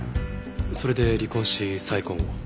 それで離婚し再婚を？